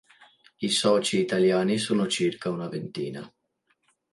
I soci italiani sono circa una ventina.